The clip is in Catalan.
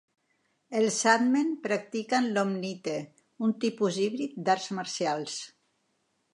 Els Sandmen practiquen l'Omnite, un tipus híbrid d'arts marcials.